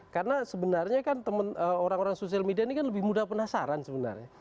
karena sebenarnya kan orang orang social media ini kan lebih mudah penasaran sebenarnya